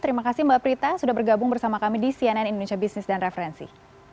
terima kasih mbak prita sudah bergabung bersama kami di cnn indonesia business dan referensi